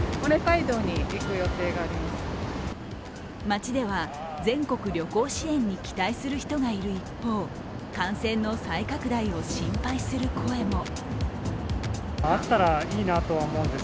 街では全国旅行支援に期待する人がいる一方感染の再拡大を心配する声も。